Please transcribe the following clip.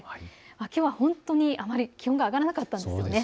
きょうは本当にあまり気温が上がらなかったんです。